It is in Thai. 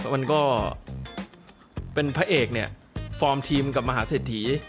มันก็เป็นพระเอกเนี่ยฟอร์มทีมกับมหาเศรษฐี